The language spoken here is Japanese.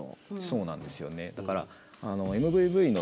そうなんですよね。